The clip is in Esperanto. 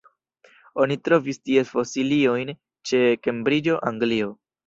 Oni trovis ties fosiliojn ĉe Kembriĝo, Anglio.